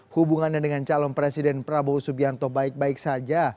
hubungannya dengan calon presiden prabowo subianto baik baik saja